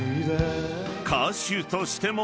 ［歌手としても活動］